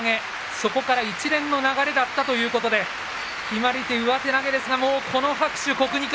そこから一連の流れだったということで決まり手は上手投げですがこの拍手、国技館。